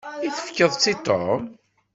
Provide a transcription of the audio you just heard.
I tefkeḍ-tt i Tom?